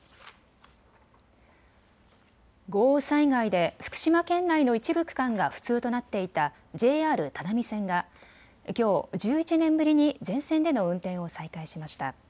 豪雨災害で福島県内の一部区間が不通となっていたＪＲ只見線がきょう１１年ぶりに全線での運転を再開しました。